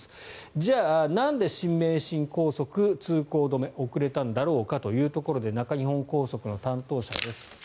じゃあ、なんで新名神高速通行止めが遅れたんだろうかというところで中日本高速の担当者です。